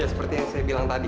seperti yang saya bilang tadi